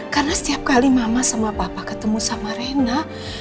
karena setiap kali mama sama papa ketemu sama rena